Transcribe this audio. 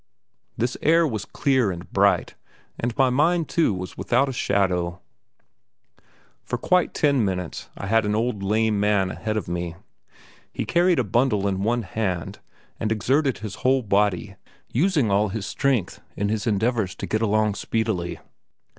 This air was clear and bright and my mind too was without a shadow. For quite ten minutes I had had an old lame man ahead of me. He carried a bundle in one hand and exerted his whole body, using all his strength in his endeavours to get along speedily.